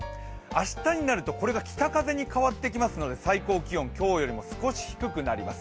明日になるとこれが北風に変わってきますので最高気温、今日よりも少し低くなります。